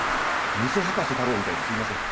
偽葉加瀬太郎みたいですいません。